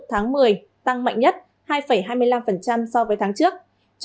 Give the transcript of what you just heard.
tháng một mươi tăng mạnh nhất hai hai mươi năm so với tháng trước